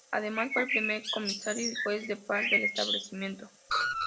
Además, fue el primer comisario y juez de paz del establecimiento.